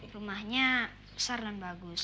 rumahnya besar dan bagus